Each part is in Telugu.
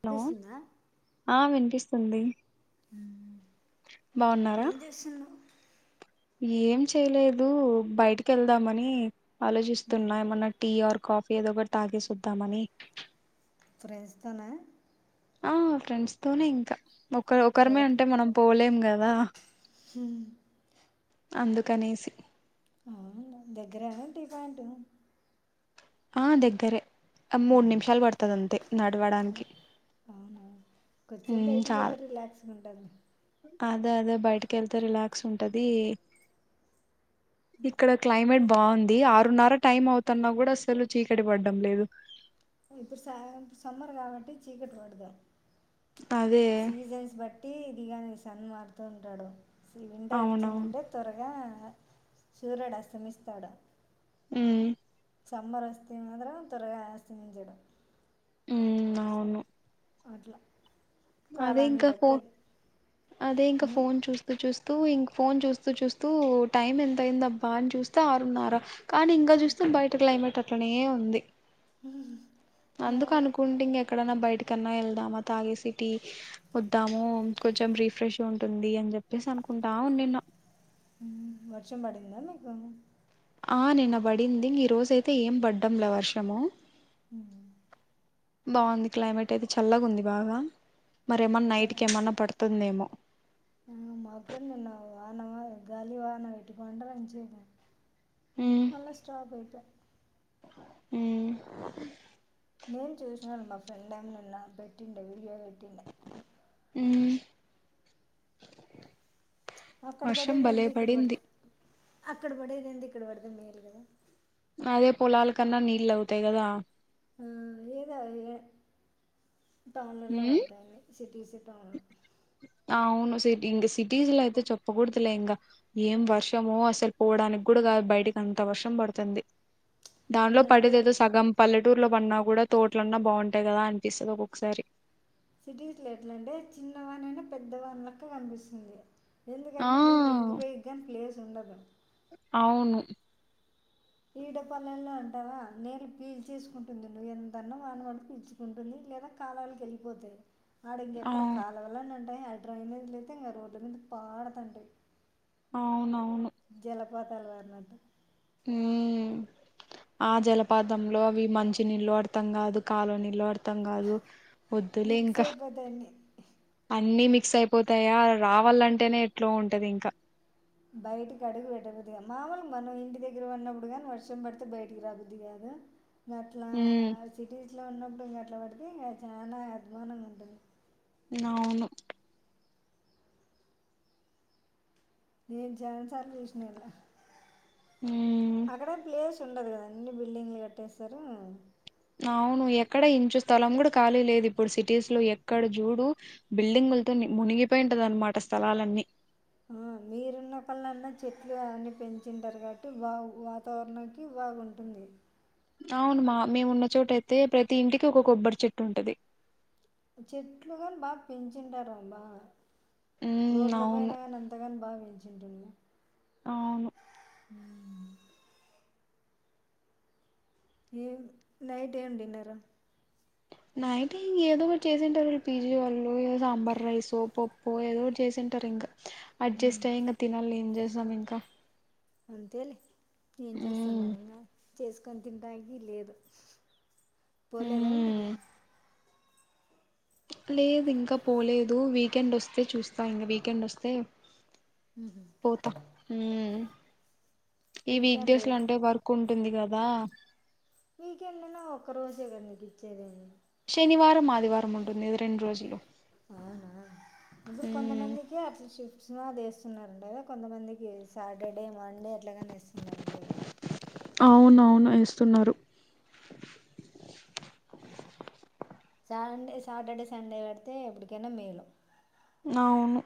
హలో వినిపిస్తుందా ఆ వినిపిస్తుంది బాగున్నారా ఎం చేస్తున్నవ్ ఏం చేయలేదు బయటికి వెళ్దామని ఆలోచిస్తున్నా ఏమన్నా టీ ఆ కాఫీ ఏదో ఒకటి తాగేసి వద్దామని ఫ్రెన్స్ తోన ఆ ఫ్రెండ్స్ తోనే ఇంక ఒక ఒకరిమే అంటే మనం పోలేం కదా హు అందుకనేసి అవున్లే దగ్గరేన టీ ఆ దగ్గరే మూడు నిమిషాలు పడుతది అంతే నడవడానికి అవునా కొద్దిసేపు ఉమ్ బయటికిపోతే చాలు రిలాాక్స్గా ఉంటాది అదే అదే బైటికి కి వెళ్తే రిలాక్స్ ఉంటది ఇక్కడ క్లైమే బాగుంది ఆరున్నర టైం అవుతున్నా కూడ అసలు చీకటి పడ్డం లేదు ఇప్పుడు సా [unintelligible] సమ్మర్ కాబట్టి చీకటి పడదు అదే సీజన్స్ బ బట్టి ఇది కానీ సన్ మారుతూ ఉంటాడు వింటర్ అవునవును వచ్చిందంటే త్వరగా సూర్యుడు అస్తమిస్తడు ఉ సమ్మర్ వస్తే మాత్రరం త్వరగా ఆస్తమించడం ఉ అవును అట్ల అదే ఇంకా ఫోన్ అదే ఇంక ఫోన్ చూస్త చూస్ [unintelligible] ఇంక ఫోన్ చూస్తూ చూస్తూ టైం ఎంత అయింది అబ్బా అని చూస్తే ఆరున్నర కానీ ఇంగా చూస్తే బయట క్లైమేట్ అట్లనే ఉంది హ అందుకు అనుకుంటి ఇంగ ఎక్కడన్న బయట కన్నా వెళ్దామా తాగేసి టీ వద్దాము కొంచెం రిఫ్రెష్ ఉంటుంది చెప్పేసి అనుకుంటా ఉనిన్న హు వర్షం పడింద మీకు ఆ నిన్న పడింది ఈ రోజయితే ఏం పడ్డంల వర్షము హు బాగుంది క్లైమేట్ అయితే చల్లగ ఉంది బాగా మరేమన్నా చ నైట్ కి ఏమన్నా పడ్ తుందేమో మాకు కూడా నిన్న వాన గాలి వన వటి కొంటంచి మళ్ళ స్టాప్ అయిప హు నేను చూసినాను మా ఫ్రెండ్ ఏమ్ నిన్న పెట్టిండ వీడియో పెట్టిండ ఉమ్ అక్కడ వర్షం పడేది ఏంది ఇక్కడ భలేపడింది పడితే అక్కడ పడేదెంది ఇక్కడ పడితే మేల్ కదా అదే పోలాల కన్నా నీళ్ళు అవుతాయి కదా ఆ ఏదో ఎ టౌన్లో పడతయి సిటీస్ ద అవును సిటీ ఇంగ సిటీస్ లో అయితే చెప్పకూడదులే ఇంగ ఏం వర్షమో అసలు పోవడానికి కూడా బయటకి అంత వర్షం పడుతుంది దానిలో అంటే పెడేదేదో సగం పల్లె టూరులో పన్నా కూడా తోటలన్నా బాగుంటాయి కదా అనిపిస్తది ఒక్కొక్కసారి సిటీస్ లో ఎట్లా అంటే చిన్న వాన అయినా పెద్ద వాన్ లక్క కనిపిస్తుంది ఆ ఎందుకంటే నీళ్ళు ఇంకిపోయేగాని ప్లేస్ ఉండదు అవును ఈడపల్లెల్లో అంటావా నీళ్ళు పీల్చేసుకుంటుంది నువ్వు ఎంతన్నా వాన పడు పీల్చుకుంటుంది లేదా కాలవలకు కెళ్ళిపోతాయి ఆడ ఆ ఇంకెక్కడ కాలువల్లన్న ఉంటయ్ ఆ డ్రైనేజ్ లయితే ఇంకా రోడ్ల మీద పాడతాంటయ్ అవునవును పాతాలు పరిన్నట్టు ఊ ఆ జలపాతంలో అవి మంచి నీళ్ళో అర్థం కాదు కాలువ నీళ్ళో అర్థం త్తం కాదు వద్దులే మిక్స్ ఇంక అయిపోతాయి అన్నీ అన్ని మి క్స్ అయిపోతాయా రావాళ్లంటేనే ఎట్లో ఉంటది ఇంక బయటికి అడుగు పెట్టబుద్దుగా మాములు మనం ఇంటి దగ్గర ఉన్నప్పుడు గానీ వర్షం పడితే బయటికి రాబుద్ది కాదు ద్ ఇంగ అట్లా ఉమ్ సిటీస్లో ఉన్నప్పుడు ఇంగ అట్ల పడితే ఇంకా చానా అద్ధవానంగా ఉంటుంది అవును నేను చాన్ సార్లు చూసినలా మ్మ్ అక్కడ ప్లేస్ స్ ఉండదు కదా అన్ని బిల్డింగ్లు కట్టేసారు అవును ఎక్కడ ఇంచు స్థలం కూడా కాళీ లేదు ఇప్పుడు సిటీస్ లో ఎక్కడ జుడు బిల్డింగులతో ని మునిగిపోయింటదన్నమాట స్థలాలన్నీ ఆ మీరున్న కళన్నా చెట్లు అన్ని పెంచింటారు కాబట్టి వా వాతావరణానికి బాగుంటుంది అవును మా మేము ఉన్న చోటయితే ప్రతి ఇంటికి ఒక కొబ్బరి చెట్టు ఉంటది చెట్లు కాని బాగా పెంచిుంటారు అవ్బా మ్మ్ రోడ్ల పైన అవును కానీ అంతగాని బాగా పెంచుంటున్లా అవును హ ఏం నైట్ ఏమి డిన్నర్రు నైట్ ఇంక ఏదో ఒకటి చేసింటారు ఈ పీజీ వాళ్ళు ఏదో సాంబార్ రైస్ ఓ పప్పో ఏదో ఒకటి చేసింటారు ఇంకా ఉమ్ అడ్జస్ట్ అయి ఇంక తినాలి ఏం చేస్తాం ఇంకా అంతే లే ఏం చేస్తాం మ్మ్ మనగాని చేసుకొని తింటానికి లేదు పోలేదా ఇంటికి మ్మ్ లేదు ఇంకా పోలేదు వీకెండ్ వస్తే చూస్తా ఇంకా వీకెండ్ వస్తే పోతా ఉమ్ ఈ వీకెండ్ వీక్డేస్ లో అంటే వర్క్ ఉంటుంది కదా వీకెండన్నా ఒక్క రోజే కదా నీకు ఇచ్చేది శనివారం ఆదివారము ఉంటుంది కదా రెండు రోజులు అవునా ఇప్పుడు మ్మ్ కొంతమందికి అట్ల చెప్ అది వేస్తున్నారండి కదా కొంతమందికి సాటర్డే మండే అట్లగానే వేస్తున్నరంట కదా అవును అవును వేస్తున్నారు కావాలంటే సాటర్డే సండే ఎడితే ఎప్పుటికనా మేల అవును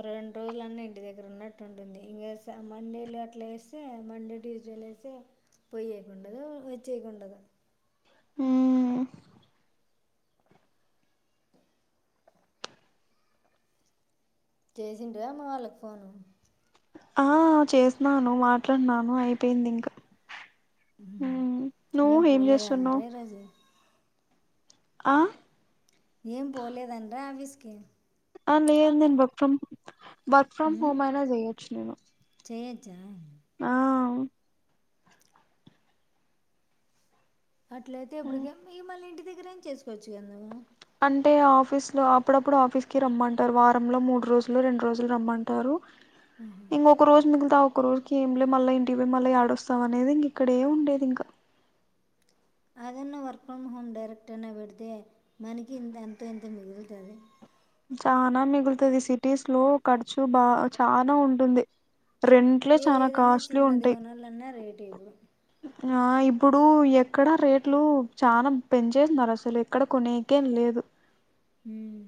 ఒక రెండు రోజులన్న ఇంటి దగ్గర ఉన్నట్టు ఉంటుంది ఇంకా మండేలు అట్లా వస్తే మండే యూజువల్ వేస్తే పొయ్యేకొండదు వచ్చేకొండదు ఉమ్ చేసింటివా అమ్మ వాళ్ళకి ఫోను ఆ చేసినాను మాట్లాడినాను అయిపోయింది ఇంకా మ్మ్ నువ్వు ఏం పోలేదా చేస్తున్నావ్ అండే రోజు ఆ ఏం పోలేదండ్రా ఆఫీస్ కి ఆ లేద్ నేను బొప్పామ్ వర్క్ ఫ్రమ్ ఉమ్, హోమ్ అయినా చెయొచ్చు నేను చేయొచ్చా ఆ అట్లయితే ఇప్పటికే ఏం మళ్ళీ ఇంటి దగ్గరేం చేసుకోవచ్చు కద నువ్వు అంటే ఆఫీస్ లో అప్పుడప్పుడు ఆఫీస్ కి రమ్మంటారు వారంలో మూడు రోజులు రెండు రోజులు రమ్మంటారు ఇంగ ఒక రోజు మిగిల్త ఆ ఒక్క రోజ్ కి ఏంలే మళ్ళా ఇంటికి ఓయ్ మళ్ళీ ఏడొస్తాం అనేది ఇంగ ఇక్కడే ఉండేది ఇంకా అదన్న వర్క్ ఫ్రమ్ హోమ్ డైరెక్ట్ అయినా పెడితే మనకి అంత ఇంత మిగులుతుంది చానా మిగులుతది సిటీస్ లో ఖర్చు బా చానా ఉంటుంది రెంట్లే చానా ఏదన్నా కాస్ట్లీవి చిన్నది ఉంటాయి కొనాలన్నా రేటే ఇప్పుడు ఆ ఇప్పుడు ఎక్కడా రేట్లు చాలనా పెంచేస్తున్నారు అసలు ఎక్కడ కొనేకేం లేదు డు ఉమ్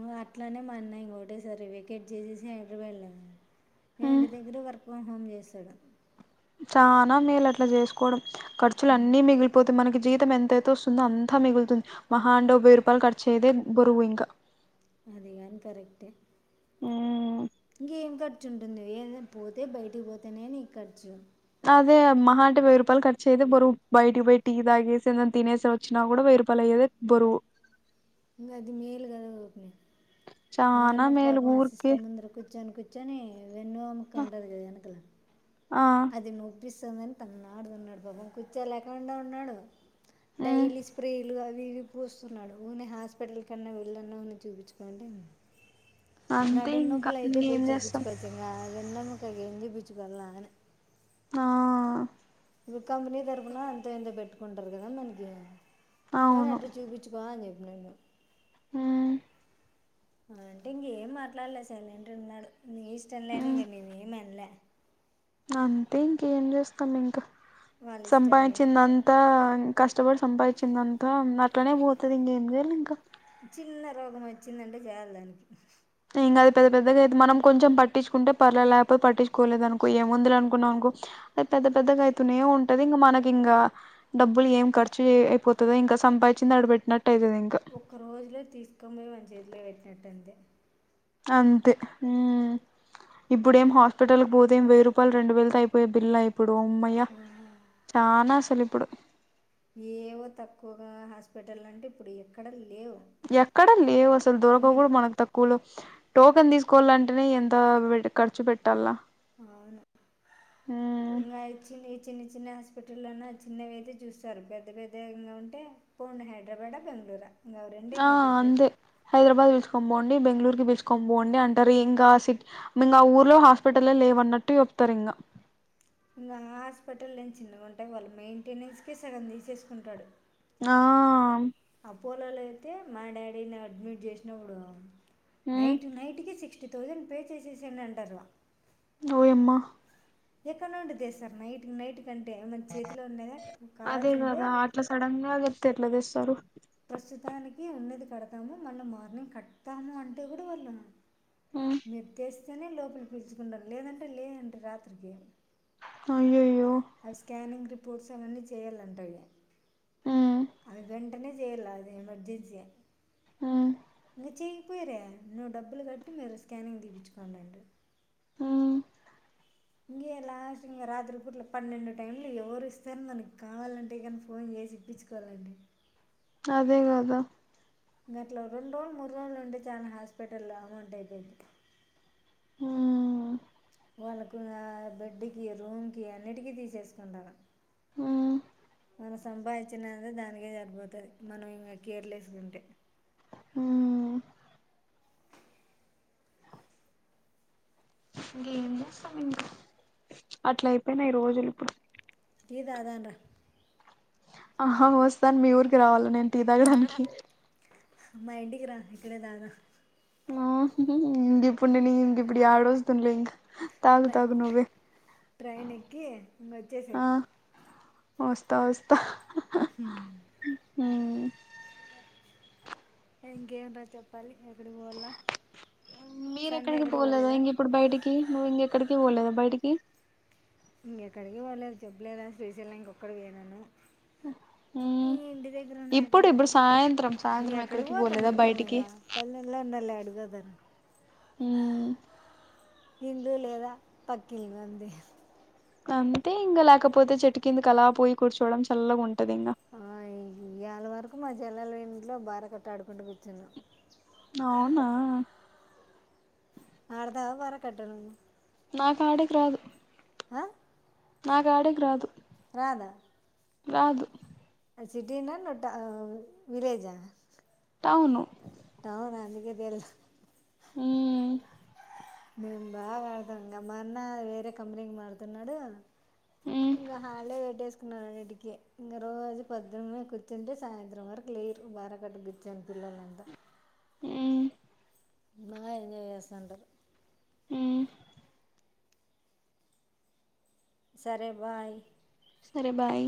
ఊ అట్లానే మా అన్న ఇంకోకటేసారి వెేకేట్ చేసేసి హైదరాబాడ్ లేదంటే ఉమ్ ఇంటి దగ్గరే వర్క్ ఫ్రమ్ హోమ్ చేశాడు చానా మేలు అట్లా చేసుకోవడం ఖర్చులు అన్ని మిగిలిపోథె మనకి జీతం ఎంతయితే వస్తుందో అంతా మిగులుతుంది మహా అంటే ఒక వెయ్యి రూపాయలు ఖర్చు అయ్యేదే బరువు ఇంకా అది గాని కరెక్ట్ఎ ఊమ్ ఇంకేం ఖర్చు ఉంటుంది ఏద పోతే బయటికి పోతేనే నీకు ఖర్చు అదే మహ అంటే వెయ్యి రపాయలు ఖర్చ్ అయితే బరువు బయటికి ఓయ్ టీ తాగేసి ఏందన్నా తినేసి వచ్చినా కూడా వేయ్యిరూపాయలయ్యే దే బరువు ఇంగ అది మేలు కదు మా చానా అన్నకి మేలు పాపమ్ ఊరికే సిస్టమ్ ముందర కూర్చోని కూచ్ కూర్చొని వెన్ను ఆ అమ్మక ఉంటుంది కదా వెనకల ఆ అది నొప్పిస్తుందని తనకలాడుతున్నాడు పాపం కూర్చో లేకుండా ఉన్నాడు ఉమ్ డైలీ స్ప్రేలుగావి తిరిగి పూస్తున్నాడు ఊ నే హాస్పిటల్ కన్నా వెళ్ళనుని చూపించుకోండి అంతే నడు ఇంకా నొప్పులు అయితే ఇంకేం పిచ్చి చేస్తాం పిచ్చికొచ్చిందా వెన్నెముక ఏం చూపించుకోవాల్న అని ఆ ఇప్పుడు కంపెనీ తరపున ఎంతో ఎంతో పెట్టుకుంటారు కదా దానికి ఫనీ అవును అట్టే చూపించుకో అని చె రేను ఉ అంటే ఇంకేం మాట్లాలే సైలెంటు ఉన్నాడు నీ ఇష్టం లేని ఉమ్ ఇంక నేను ఏమి అన్లె అంతే ఇంకేం చేస్తాం ఇంకా వాళ్ళ ఇష్టం లేదు సంపాదించిందంతా కష్టపడి సంపాదించిందంతా అట్లనే పోతుంది ఇంకేం చేయాలి ఇంకా చిన్న రోగం వచ్చిందంటే చేయాలి దానికి ఇంకా అది పెద్ద పెద్దగతే మనం కొంచెం పట్టించుకుంటే పర్లే లేపోతే పట్టించుకోలేదు అనుకో ఏముందిరా అనుకున్నావనుకో పెద్ద పెద్దగా అయితునే ఉంటది ఇంకా మనకి ఇంగ డబ్బులు ఏం ఖర్చు అయిపోతది ఇంకా సంప నచ్చినడబెట్ ఒక్క రోజులో తీసుకొం పోయి వాని చేతిలో పెట్టినట్టంతే అంతే ఊ ఇప్పుడేం హాస్పిటల్ కి పోతే ఏం వెయ్యి రూపాయలు రెండువేలతో అయిపోయే బిల్ల ఇప్పుడు ఉమ్మయ్య ఆ, చానా అసలు ఇప్పుడు ఏవో తక్కువగా హాస్పిటల్ అంటే ఇప్పుడు ఎక్కడ లే ఎక్కడలి ఒసలు దొరకవు ఇంకా కూడా మనకు తక్కువలో టోకెన్ తీసుకోవాలంటేనే ఎంత పెట్ ఖర్చు పెట్టల్ల అవును ఇగ చిన్నవి చిన్ని చిన్న హాస్పిటల్లోన చిన్నవితే చూస్తారు పెద్ద పెద్దంగా ఉంటే పోండి హైదరాబాడ బెంగళూర ఆ అంతే హైదరాబాద్ పిల్చ్ పోండి బెంగళూరు కి పిచుకోని పోండి అంటారు ఇంకా సిక్ ఆ ఊర్లో హాస్పిటల్లే లేవన్నట్టు చె తరింగ ఇంగా హాస్పిటల్ ఏం చిన్నగా ఉంటా వాళ్ళ మెయింటెనెన్స్ కే సగం తీసేసుకుంటాడు ఆ టే మా డాడీ ని అడ్మిట్ చేసినప్పుడు మ్మ్ నైట్ నైట్ కే సిక్స్ ఫిఫ్టీ థౌజండ్ పే చేసేసెండి అంటారు ఓయమ్మా ఎక్కడి నుండి తెస్తారు నైట్ నైట్ కంటే మన చేతిలో ఉండేదా కావాల్సింటే ఎట్ల తెస్తారు ప్రస్తుతానికి ఉన్నది కడతాము మళ్ళ మార్నింగ్ కడతాము అంటే కూడా వాళ్ళం ఉమ్ మీరు తెస్తేనే లోపలికి పిలుచుకుంటారు లేదంటే లేదంట రాత్రికి అయ్యయ్యో అవి స్కానింగ్ రిపోర్ట్స్ అవన్నీ చేయాలంటా అవి మ్మ్ అవి గాని పనే చేయలే అది ఎమర్జెన్సీ హ్మ్ చేయకపోయరే నువ్వు డబ్బులు కట్టు మేముప్ స్కానింగ్ తీపించుకోండిండి ఉ ఇంగే లాస్ట్ ఇంక రాత్రి పూట్ల పన్నెండు టైం లో ఎవరు ఇస్తారు మనకు కావాలంటే కానీ ఫోన్ చే ఇప్పించుకోవాలంటే అదే గదా గంట్లో రెండు రోజులు మూడు రోజులు ఉంటే చానా హాస్పిటల్లో అమౌంట్ అయిపోద్ది ఊ వాళ్ళకు బెడ్కి రూమ్కిి అన్నిటికీ తీసేసుకుంటారు హ్మ్ మనం సంపాదించినే దానికే సరిపోతుంది మనం ఇంకా కేర్లేసుకుంటే ఆ ఇంకేం చేస్తాం ఇంకా అట్ల అయిపోయినా ఈ రోజులు ఇప్పుడు టీ తాగానరా ఆహా వస్తాను మీ ఊరికి రావాల నేను టీ తగడానికి మ్ మా ఇంటికి రా ఇంకాడే తదా ఆ ఇంక ఇప్పుడుండే న ఇంక ఇప్పుడు ఏడ వస్తుండలే ఇంకా తాగు బ తాగు నువ్వే ట్రైన్ ఎక్కి ఇంగ వచ్చేసే ఆ వస్తా వస్తా హ హ్మ్ ఇంకేముంటదీ చెప్పాలి ఎక్కడికి పోవాలా మీర ఎక్కడికి పోలేదా ఇంక ఇప్పుడు బయటికి నువ్వు ఇంకెక్కడికి పోలేదుా బయటికి ఇ ఇంకెక్కడికి వాలేదు చెప్పలేదా శ్రీశైల ఇంకొక్కడు వనాను ఊ ఇంటి దగ్గర ఉన్నా ఎక్కడికి పోలే సాయంత్రం ఎక్కడికి పోతాం పోలేదా మేము ఇంగ బయటికి పల్లెళ్ళో ఉన్నోళ్ళు ఎడికి పోతారు హ్మ్ ఇల్లు లేదా పక్కిలు అంతే ఇంగంతే ఇంకా లేకపోతే చెట్టు కిందకి అలా పోయి కూర్చోవడం చల్లగా ఉన్ టది ఇంగ ఇవాళ వరకు మా చెల్లెలు ఇంట్లో బార కట్టి ఆడుకుంటూ కూర్చున్నాం అవునా ఆడతవ వారా కట్టను నువ్వు నా ఆడేకి రాదు అ నాకు ఆడేకి రాదు రాద రాదు ఆ సిటీ నా న ట్ట విలేజా అవును టువు రా అందుకే తెల్స్ అ మేం బాగా ఆడతాంగా మా అన్న వేరే కంపెనీకి మారుతున్నాడు మ్మ్ ఇంగ హాలిడే పే పనాడికి ఇంగ రోజు పద్దన్నే కూర్చుంటే సాయంత్రం వరకు లేరు బార కట్ట కూర్చొని పిల్లలంతా ఎవ్ బా ఎంజాయ్ చేస్తుంటారు ఊ సరే బాయ్ సరె బాయ్